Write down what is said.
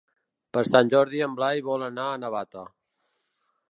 Per Sant Jordi en Blai vol anar a Navata.